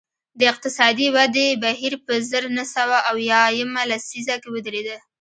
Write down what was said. د اقتصادي ودې بهیر په زر نه سوه اویا یمه لسیزه کې ودرېد